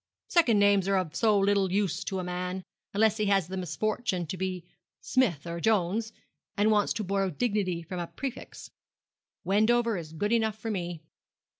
Second names are of so little use to a man, unless he has the misfortune to be Smith or Jones, and wants to borrow dignity from a prefix. Wendover is good enough for me.'